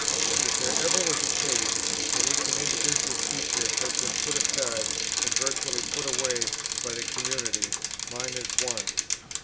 If there ever was a case, in which an individual teacher has been put aside and virtually put away by a community, mine is one.